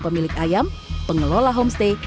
pemilik ayam pengelola homestay